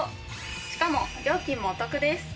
しかも料金もお得です。